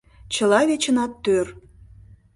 — Чыла вечынат тӧр.